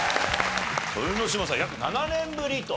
豊ノ島さん約７年ぶりと。